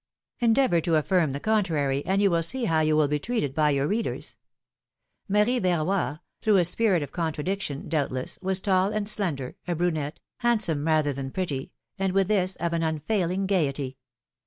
Endeavor to affirm the contrary, and you will see how you will be treated by your readers. Marie Verroy, through a spirit of contradiction, doubtless, was tall and slender, a brunette, handsome rather than pretty, and with this, of an unfailing gayety.